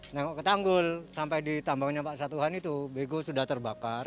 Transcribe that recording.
nengok ke tanggul sampai di tambangnya pak satuan itu bego sudah terbakar